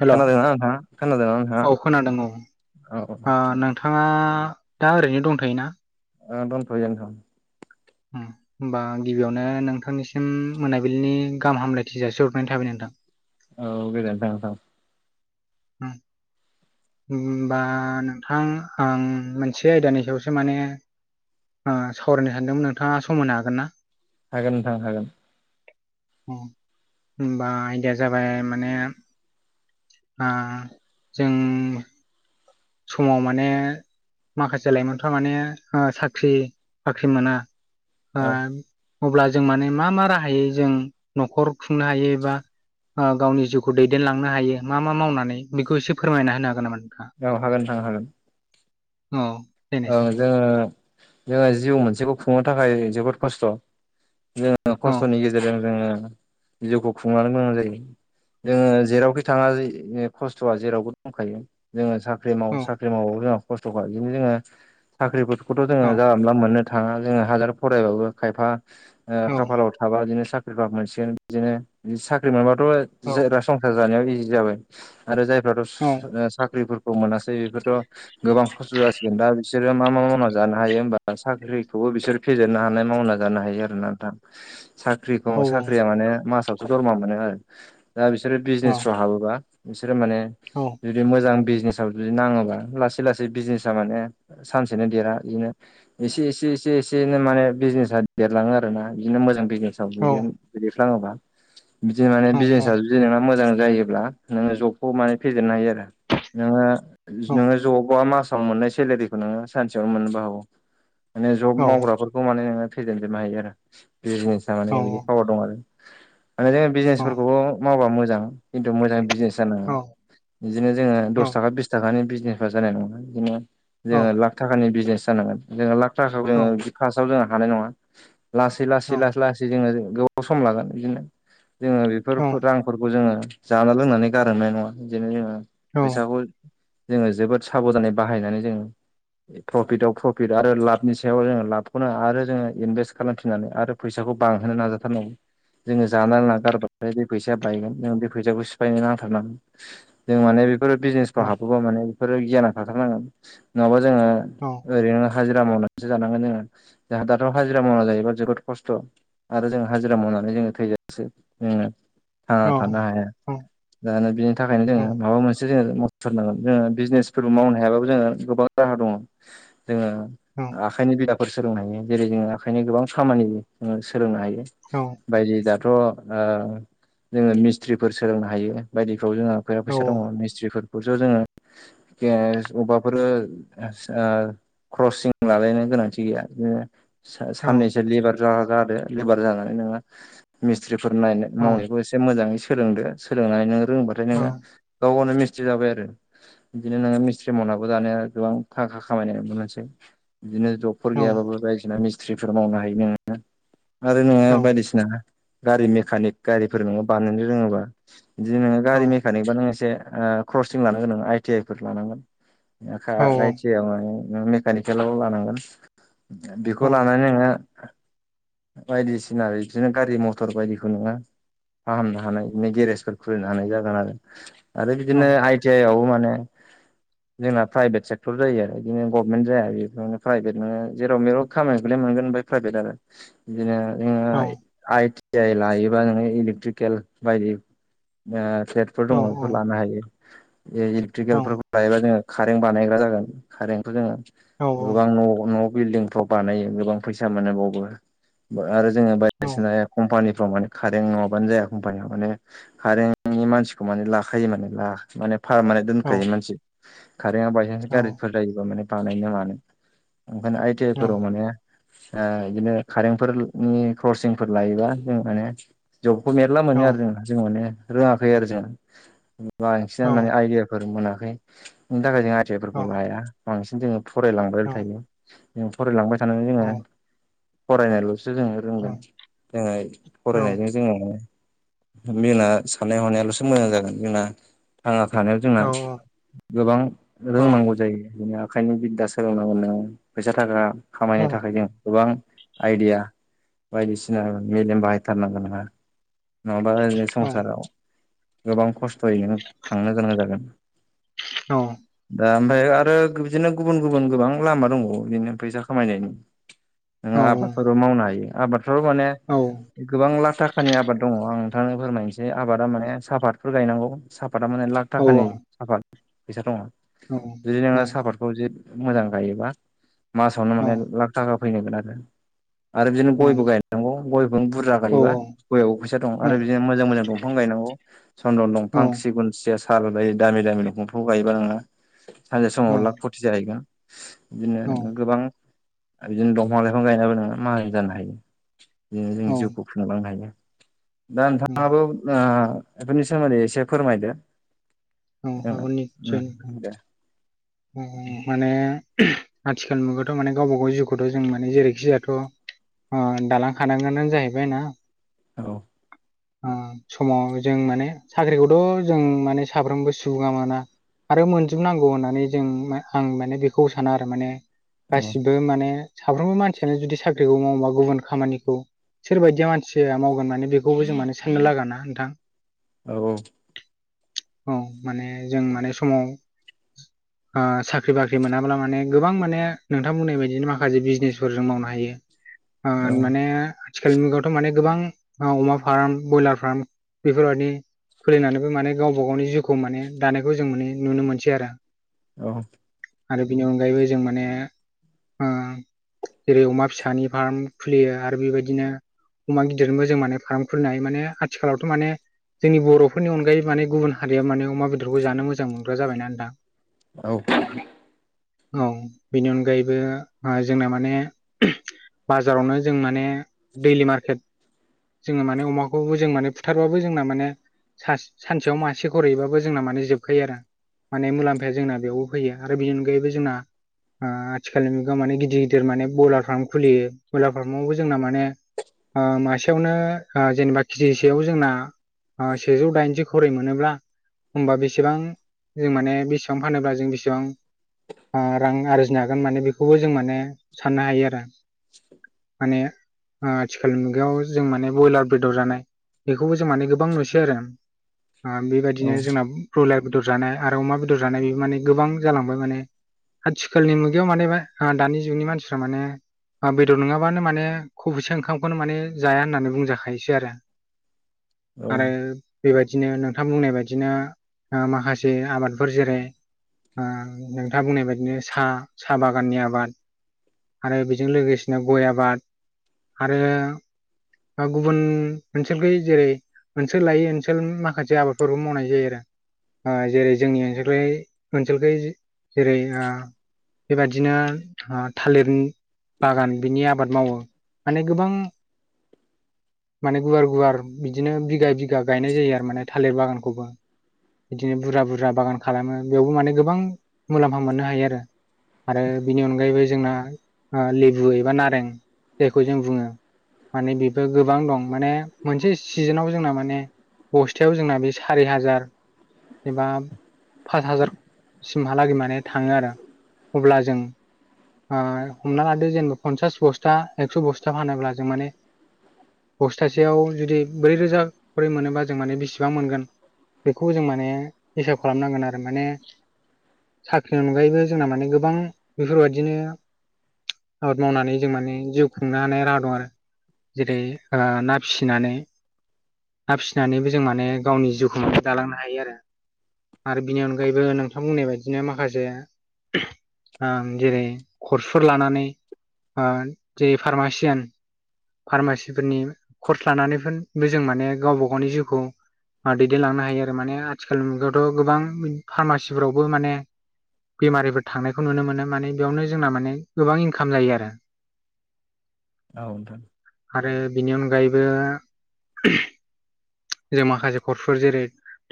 हेल' खोनादोंना नोंथाङा खोनादोंना नोंथाङा औ खोनादों औ औ ओ नोंथाङा दा ओरैनो दंथायोना ओ दंथयो नोंथां होमबा गिबियावनो नोंथांनिसिम मोनाबिलिनि गाहाम हामलायथि जासिहरनायनि थाबाय नोंथां औ गोजोनथों नोंथां हुम होमबा नोंथां आं मोनसे आयदानि सायावसो माने ओ सावरायनो सानदोंमोन नोंथाङा सम होनो हागोन ना हागोन नोंथां हागोन होमबा आयदाया जाबाय माने आ जों समाव माने माखासे लाइमोनफ्रा माने ओ साख्रि बाख्रि मोना औ ओ अब्ला जों माने मा मा राहायै जों न'खर खुंनो हायो एबा ओ गावनि जिउखौ दैदेनलांनो हायो मा मा मावनानै बेखौ एसे फोरमायना होनो हागोन नामा? नोंथाङा? औ हागोन नोंथां हागोन औ ओ देनायसाय जोङो जोङो जिउ मोनसेखौ खुंनो थाखाय जोबोद खस्थ' जोङो औ खस्थ'नि गेजेरजों जोङो जिउखौ खुंलानो गोनां जायो। जोङो जेरावखि थाङा खस्थ'आ जेरावबो दंखायो जोङो साख ख्रि औ माव साख्रि मावाबो जोंहा खस्थ'खा इदिनो जोङो साख्रिफोरखौथ' औ जोङो जानला मोनला मोननो थाङा जोङो हाजार फरायबाबो खायफा ओ औ खाफालाव थाबा इदिनो साख सोरबा मोनसिगोन इदिनो साख्रि मोनबाथ' औ जोरा संसार जानायाव इजि जाबाय। आरो औ जायफ्राथ' साख्रिफोरखौ मोनासै बेफोरथ' गोबां खस्थ' जसि दा बिसोरो मा मा मावना जानो हायो होमबा साख्रिखौबो बिसोर फेजेननो हानाय मावना जानो हायो आरोना दा [inaudible] साख्रिखौ औ साख्रिया माने मासावसो दरमा मोनो आरो दा बिसोरो औ बिजनेसफ्र हाबोबा बिसोर माने जुदि मोजां बिजनेसाव जुदि नाङोबा लासै लासै बिजनेस ना माने सानसेनो देरा इदिनो एसे एसे एसे एसेनो माने बिजनेसा देरलाङो आरो। रोना इजोंनो मोजांबिजनेसाव जुदि गोलैफ्लाङोबा बिदिनो माने औ बिजनेसा जुदि नोंना मोजां जायोब्ला नोङो जबखौ माने फेजेननो हायो आरो नोङो जबावबा मास साव मोननाय सेलेरारिखौ नोङो सानसेयावनो मोननोबो हागौ माने जब औ मावग्राफोरखौ माने नोङो फैेजेनजोबनो हायो आरो बे जिनिसा माने बिदि पावार दं आरो। माने जोङ बिजनेसफोरखौबो मावबा मोजां खिन्थु मोजां बिजनेस औ जानांगोन इदिनो जोङो दस थाखा बिस थाखानि बिजनेसफ्रा जानाय नङा इदिनो जोङो लाख थाखानि बिजनेस जानांगोन जोङो लाख थाखाखौ जोङो फासआव जोङो हानाय नङा लासै लासै लासै लासै जोङो गोबाव सम लागोन इदिनो जोङो बेफोर रांफोरखौ जोङो जाना लोंनानै गारहोनाय नङा इदिनो जोङो फैसाखौ जोङो जोबोद साब'दानै बाहायनानै जोङो प्रफिटआव प्रफिट आरो लाबनि सायाव जोङो लाबखौनो आरो जोङो इनभेस्ट खालामफिननानै आरो फैसा खौ बांहोनो नाजाथारनांगौ। जोङो जानो लोंना गारबाथाय बे फैसाया बायगोन जों बे फैसाखौ सिफायनो नांथारनांगोन जों माने बे बेफोरो बिजनेसफ्राव हाबोबा माने बेफोरो गियाना थाथारनांगोन नङाबा जोङो ओरैनो हाजिरा मावनानैसो जानांगोन जोंङो दाथ' हाजिरा मावनानै जायोबा जोबोद खस्थ' आरो जों हाजिरा माव नानै जोङो थैजासे जोङो थांना थानो हाया दानो बिनि थाखायनो जोङो माबा मोनसे जोङो थारनांगोन जोङो बिजनेसफोरखौ मावनो हायाबाबो जोहा गोबां राहा दङ जोङो आखाइनि बिदाफोर सोलोंनो हायो जेरै जोङो आखाइनि गोबां खामानि जोङो सोलोंनो हायो। बायदि दाथ' ओ जोङो मिस्ट्रिफोर सोलोंनो हायो बायदि जोंहा फैया फैसा दङ मिस्ट्रिफोरखौ थ' जोङो अबाफोर ओ क्रसिं लालायनो गोनांथि गैया। बिदिनो सा-साननैसो लेबार जा जादों। लेबार जानानै नोङो मिस्ट्रि फोर नायनाय मावनायखौ एसे मोजाङै सोंलोंदो सोलोंनानै नों रोंबाथाय नोङो गाव गावनो मि थ्रि जाबाय आरो बिदिनो नोङो मिस्थ्रि मावनाबो दानाया गोबां थाखा खामायनाय मोनसे बिदिनो जबफोर गैयाबाबो बायदिसिना मिस्ट्रिफोर मावनो हायो नोङो आरो नोङो बायदिसिना गारि मेकानिक गारिफोर नोङो बानायनो रोङोबा बिदि नोङो गारि मेकानिक बा नों एसे क्रसिं लानांगोन नों आइटि आइ फोर लानांगोन। [unintelligible] आइ टि आइ मेकानिकेलाव लानांगोन बेखौ लानानै नोङो [unintelligible] बायदिसिना बिदिनो गारि मथर बायदिखौ नङा फाहामनो हानाय बि गेरेजफोर खुलिनो हानाय जागोन आरो आरो बिदिनो आइटि आइ आवबो माने [unintelligible] जोंना प्राइभेट सेक्टर जायो आरो बिदिनो गभमेन्ट जाया बेफोरावनो प्राइभेट नो जेराव मेराव खामानिखौलाय मोन मोनोफ्राय प्राइभेट आरो बिदिनो नोङो आइटि आइ लायोबा नोङो इलेक्ट्रिकेल बायदि ओ फेटफोर दङ बेफोर लानो हायो। बे इलेकट्रिकेलफोरखौ लायोबा जोङो कारेन्ट बानायग्रा जागोन कारन्टखौ जोङो गोबां न'-न' बिल्डिंफ्राव बानायो गोबां फैसा मोन बावो आरो जोङो बायदिसिना कम्पानि कार नङाबानो जाया कम्पानिया माने कारेनि मानसिखौ माने लाखायो माने फारमाने औ दोनखायो मानसि खारेन्टआ बायसान्स गारिफोर जायोबा माने बानायनो मानो ओंखायनो आइटि आइ फोराव माने ओ बिदिनो खारेनफोरनि क्रसिंफोर लायोबा जों माने जबखौ मेरला मोनो आरो जों-जों माने रोङाखै आरो जों बांसि माने आइदिया मोनाखै बिनि थाखाय जों आथियाफोरखौ लाया बांसिन जोङो फरायलांबाय थायो। ज फरायलांबाय थ जोङो फरायनायल'स जोङो रोंगोन जोङो फरायनायजों जोङो। जोंना साननाय हनायाल'सो मोजां जागोन जोंना थांना थानाय जोंना गोबां रोंनांगौ जायो। ओंखायनो बिदा सोलोंनांगौ फैसा थाखा खामायनो थाखाय जों गोबां आइदिया बायदिसिना मेलेम बाहायथारनांगौ नङा नङाबा ओरै संसाराव गोबां खस्थ'यै नों थांनो गोनां जागोन। औ। दा ओमफ्राय आरो बिदिनो गुबुन-गुबुन गोबां लामा दंबावो बिदिनो फैसा खामायनायनि नोङ आबादफोरबो मावनो हायो आबादफोर माने गोबां लाख थाखा थाखानि आबाद दङ। आं नोंथांनो फोरमायनोसै। आबादा माने सापतफोर गायनांगौ सापता माने लाख खानि साफात फैसा दङ। जुदि नोंङो साहापातखौ ज मोजां गायोबा मासावनो माने लाख थाखा फैनांगोन आरो। आरो बिदिनो गयबो गायनांगौ गयफोर बुरजा गायोबा गयआवबो फैसा दं आरो बिदिनो मोजां- मोजां दंफां गायनांगौ। चन्दन दंफां, सिगुन, सिया, साल गायो दामि-दामि दंफांखौ गायोबा नोंङो सानसे समाव लाख फथि जाहैगोन। बिदिनोनो गोबां बिदिनो दंफां लाइफां गायनाबो नोङो माहाजोन जानो हायो। बिदिनो जों जिउखौ खुनालांनो हायो। दा नोंथाङाबो ओ बिफोरनि सोमोन्दै एसे फोरमायदो [unintelligible] ओ उम दे माने आथिखाल मुगायावाथ' माने गावबा गाव जिउखौथ' जों माने जेरैखि जायाथ' ओ दालां खानांगोनानो जाहैबाय ना? औ ओ समाव जों माने साख्रिखौथ' जों माने साफ्रोमबो दुगामाना आरो मोनजोबनांगौ होननानै जों मा आं माने बेखौ साना आरो माने । औ गासिबो माने साफ्रोमबो मानसियानो जुदि साख्रिखौ मावोबा गुबुन खामानिखौ । सोरबायदिया मानसिया मावगोन माने बेखौबो जों माने साननो लागोना नोंथां । औ-औ । औ माने जों माने समाव । आ साख्रि बाख्रि मोनाब्ला माने गोबां माने नोंथां बुंनाय बायदियै माखासे बिजनेसफोर जों मावनो हायो । आ औ माने । आथिखाल मुगायावथ' माने गोबां ओ अमा फार्म बयलार फार्म बेफोरबायदि । खुलिनानैबो माने गावबा गावनि जिउखौ माने दानायखौ जों माने नुनो मोनसै आरो । औ । आरो बिनि अनगायैबो जों माने ओ । जेरै अमा फिसानि फार्म खुलियो आरो बेबायदिनो । अमा गिदिरनिबो जों माने फार्म खुलिनो हायो माने आथिखालावथ' माने । जोंनि बर'फोरनि अनगायै माने गुबुन हारियाव माने अमा बेदरखौ जानो मोजां मोनग्रा जाबायना नोंथां । औ । औ बेनि अनगायैबो ओ जोंना माने बाजारावनो जों माने दैलि मार्केट जोङो माने अमाखौबो जों माने फुथारबाबो जोंना माने सास सानसेयाव मासे खरहैबाबो जोंना माने जोबखायो आरो माने मुलाम्फाया जोंना बेयावबो फैयो । आरो बेनि अनगायैबो जोंना आ आथिखालनि मुगायाव माने गिदिर गिदिर माने बयलार फार्म खुलियो बयलार फार्मावबो जोंना माने आ मासेयावनो आ जेनेबा केजि सेआव जोंना आ सेजौ दाइनजि खरै मोनोब्ला होमबा बेसेबां जों माने बेसेबां फानोब्ला जों बेसेबां आ रां आरजिनो हागोन माने बेखौबो जों माने साननो हायो आरो । माने आथिखाल मुगायाव जों माने बयलार बेदर जानाय बेखौबो जों माने गोबां नुसै आरो । आ बेबायदिनो औ जोंना ब्रयलार बेदर जानाय आरो अमा बेदर जानायनिबो माने गोबां जालांबाय माने । आथिखालनि मुगायाव मानेबा आ दानि जुगनि मानसिफ्रा माने आ बेदर नङाबानो माने ख'बसे ओंखामखौनो माने जाया होननानै बुंजाखायोसै आरो । औ आरो बेबाय दिनो नोंथां बुंनाय बाददिनो आ माखासे आबादफोर जेरै आ नोंथाङा बुंनाय बादिनो सा सा बागाननि आबाद आरो बेजों लोगोसेनो गय आबाद आरो आ गुबुन मोनसे गै जेरै ओनसोल लायै ओनसोल माखासे आबादफोरखौ मावनाय जायो आरो । आ जेरै जोंनि ओनसोग्लै ओनसोलखै जेरै बेबादिनो आ थालिरनि बागान बिनि आबाद मावो माने गोबां माने गुवार गुवार बिदिनो बिघा बिघा गायनाय जायो आरो माने थालिर बागानखौबो । बिदिनो बुरजा बुरजा बागान खालामो बेयावबो माने गोबां मुलाम्फा मोननो हायो आरो । आरो बिनि अनगायैबो जोंना आ लेबु एबा नारें जायखौ जों बुङो माने बेबो गोबां दं माने मोनसे सिजोनाव जोंना माने बस्थायाव जोंना बे सारि हाजार एबा पास हाजारसिमहालागै माने थाङो आरो । अब्ला जों आ हमना लादो जेनेबा पन्सास बस्था एकस' बस्था फानोब्ला जों माने बस्थासेयाव जुदि ब्रै रोजा खरै मोनोबा जों माने बेसेबां मोनगोन बेखौ जों माने हिसाब खालामनांगोन आरो माने साख्रिनि अनगायैबो जोंना माने गोबां बेफोरबायदिनो आबाद मावनानै जों माने जिउ खुंनो हानाय राहा दं आरो। जेरै ओ ना फिसिनानै ना फिसिनानैबो माने जोंनि जिउखौ [unintelligible] दालांनो हायो आरो। आरो बिनि अनगायैबो नोंथां बुंनाय बायदिनो माखासे जेरै कर्सफोर लानानै ओ जेरै फार्मासियान फार्मासिफोरनि कर्स लानानैफोरबो जों माने गावबा गावनि जिउखौ दैदेनलांनो हायो आरो माने आथिखाल मुगायावथ' गोबां फार्मासिफोरावबो माने बेमारिफोर थांनायखौ नुनो मोनो माने बेयावनो जोंना माने गोबां इनखाम जायो आरो। औ आरो बिनि अनगायैबो जों माखासे खर्सफोर जेरै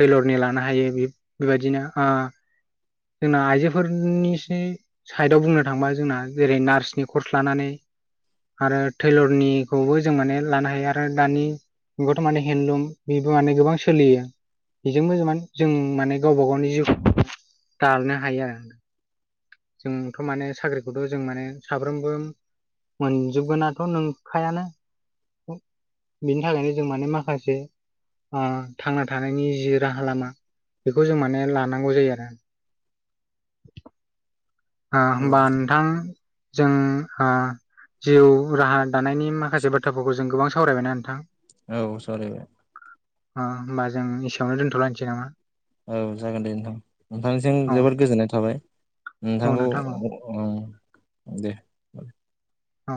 थैलरनि लानो हायो बेबायदिनो जोंना आइजोफोरनि इसे साइड आव बुंनो थांबा जोंना जेरै नार्सनि कर्स लानानै आरो टैलरनिखौबो जों माने लानो हायो आरो दानि जुगावथ' माने हेनलुम बेबो माने गोबां सोलियो बेजोंबो माने जों माने गावबा गावनि जिउखौ दारनो हायो जोंथ' माने साख्रिखौथ' जों माने साफ्रोमबो मोनजोबगोनाथ' नोंखायानो [inaudible] बेखौ जों माने लानांगौ जायो आरो आ होमबा नोंथां जों जिउ राहा दानायनि माखासे बाथ्राफोरखौ जों गोबां सावरायबायना नोंथां औ सावरायबाय अ होमबा जों इसेयावनो दोन्थ'लायनोसै नामा? औ जागोन दे नोंथां नोंथांनिजोंम औ जोबोद गोजोननाय थाबाय औ नोंथांखौ नोंथां औ उम दे औ